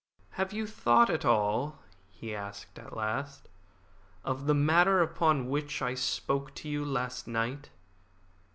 "Have you thought at all," he asked at last, "of the matter upon which I spoke to you last night?"